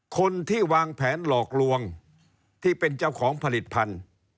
คนที่วางแผนหลอกลวงที่เป็นเจ้าของผลิตภัณฑ์